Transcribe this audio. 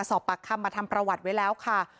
สอบปากคำมาทำประวัติไว้แล้วค่ะ